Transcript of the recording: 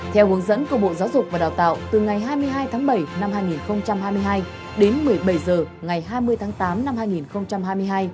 theo hướng dẫn của bộ giáo dục và đào tạo từ ngày hai mươi hai tháng bảy năm hai nghìn hai mươi hai đến một mươi bảy h ngày hai mươi tháng tám năm hai nghìn hai mươi hai